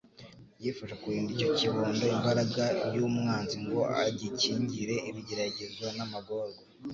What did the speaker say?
Yifuje kurinda icyo kibondo imbaraga y'umwanzi, ngo agikingire ibigeragezo n'amagorwa.